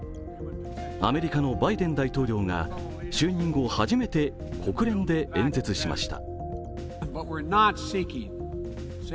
アメリカのバイデン大統領が就任後、初めて国連で演説しました。